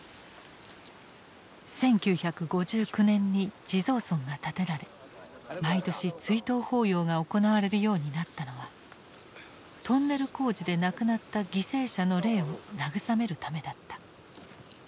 １９５９年に地蔵尊が建てられ毎年追悼法要が行われるようになったのはトンネル工事で亡くなった犠牲者の霊を慰めるためだった。